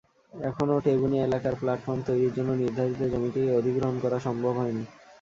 এখনো টেবুনিয়া এলাকার প্ল্যাটফর্ম তৈরির জন্য নির্ধারিত জমিটি অধিগ্রহণ করা সম্ভব হয়নি।